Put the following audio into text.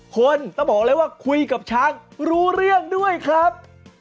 คนต้องบอกเลยว่าคุยกับช้างรู้เรื่องด้วยครับ